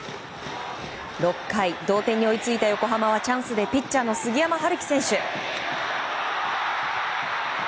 ６回、同点に追いついた横浜はチャンスでピッチャーの杉山遥希選手。